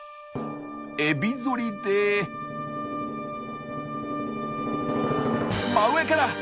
エビ反りで真上から！